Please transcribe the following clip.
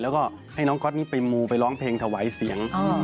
แล้วก็ให้น้องก๊อตนี้ไปมูไปร้องเพลงถวายเสียง